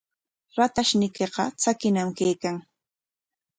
Ratayniykiqa tsakiñam kaykan.